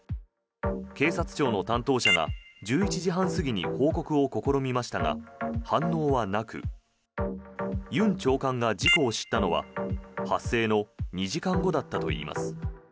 警察庁の担当者が１１時半過ぎに報告を試みましたが反応はなくユン庁長が事故を知ったのは発生の２時間後だったといいます。